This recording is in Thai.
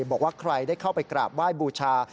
บอกว่าใครได้เข้าไปกราบไหว้บูชา